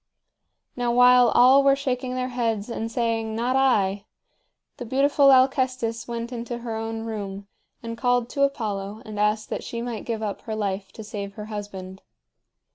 Now while all were shaking their heads and saying "Not I," the beautiful Alcestis went into her own room and called to Apollo and asked that she might give up her life to save her husband.